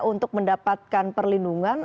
untuk mendapatkan perlindungan